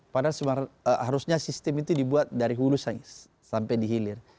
padahal harusnya sistem itu dibuat dari hulusan sampai dihilir